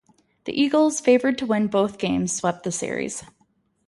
The Eagles, favored to win both games, swept the series.